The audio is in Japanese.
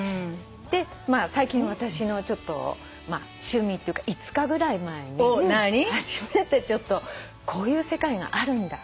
で最近私の趣味っていうか５日ぐらい前に初めてちょっとこういう世界があるんだ。